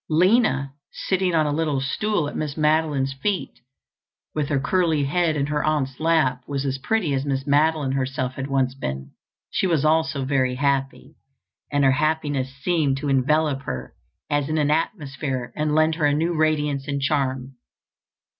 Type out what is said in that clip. Lina, sitting on a little stool at Miss Madeline's feet with her curly head in her aunt's lap, was as pretty as Miss Madeline herself had once been. She was also very happy, and her happiness seemed to envelop her as in an atmosphere and lend her a new radiance and charm.